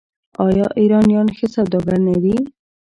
آیا ایرانیان ښه سوداګر نه دي؟